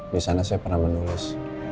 di sana saya pernah menulis